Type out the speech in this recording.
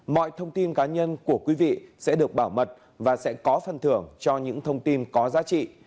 mọi thông tin cá nhân của quý vị sẽ được bảo mật và sẽ có phần thưởng cho những thông tin có giá trị